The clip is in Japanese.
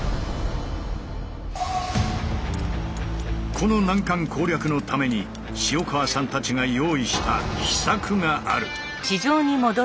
この難関攻略のために塩川さんたちが用意した秘策がある。